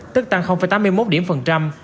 tức tăng tám mươi một điểm phần trăm